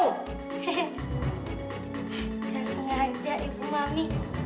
nggak sengaja ibu mami